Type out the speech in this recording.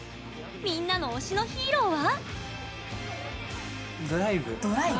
みんなの推しのヒーローは？